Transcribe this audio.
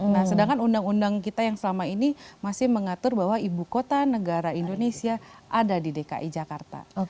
nah sedangkan undang undang kita yang selama ini masih mengatur bahwa ibu kota negara indonesia ada di dki jakarta